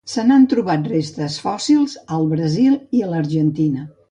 Se n'han trobat restes fòssils al Brasil i l'Argentina.